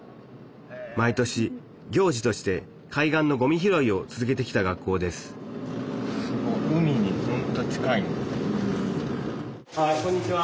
毎年行事として海岸のごみ拾いを続けてきた学校ですあこんにちは。